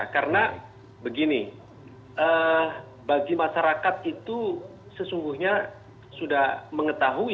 karena begini bagi masyarakat itu sesungguhnya sudah mengetahui